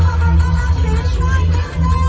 มันเป็นเมื่อไหร่แล้ว